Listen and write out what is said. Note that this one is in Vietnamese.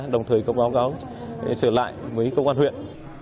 đồng thời có báo cáo trở lại với công an huyện